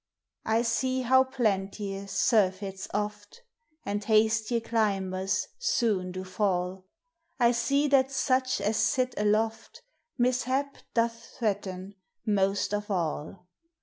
I see how plentie surfetfl oft, And iiastie clymbers soon do fall ; I see that such as sit aloft .Mishap doth threaten mosl of all.